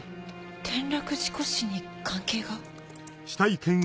転落事故死に関係が？